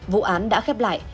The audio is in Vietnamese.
vụ án đã khép lại